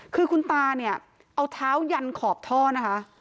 คือคุณตาเนี่ยเอาเท้ายันขอบท่อนะคะ